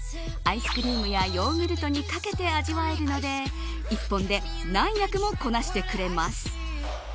アイスクリームやヨーグルトにかけて味わえるので１本で何役もこなしてくれます。